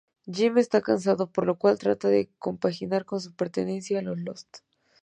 Jim está casado, lo cual trata de compaginar con su pertenencia a los "Lost".